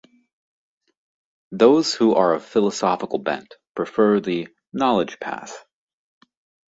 Those who are of philosophical bent, prefer the "knowledge path".